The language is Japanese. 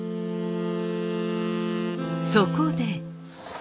そこで。